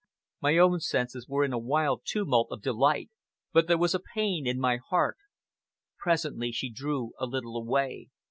My own senses were in a wild tumult of delight, but there was a pain in my heart. Presently she drew a little away.